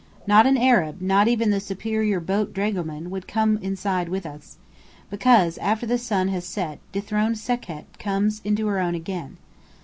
Not an Arab, not even the superior boat dragoman, would come inside with us: because after the sun has set, dethroned Sekhet comes into her own again.